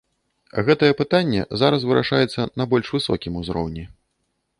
Гэтае пытанне зараз вырашаецца на больш высокім узроўні.